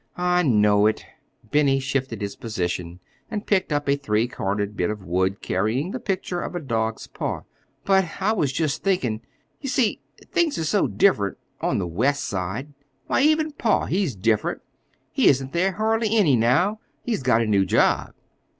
"I know it." Benny shifted his position, and picked up a three cornered bit of wood carrying the picture of a dog's paw. "But I was just thinkin'. You see, things are so different—on the West Side. Why even pa—he's different. He isn't there hardly any now. He's got a new job."